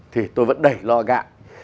thì tôi vẫn đầy lo gạn